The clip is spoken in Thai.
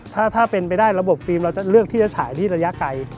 ถ้าเป็นไปได้ระบบฟิล์มเราจะเลือกที่จะฉายที่ระยะไกล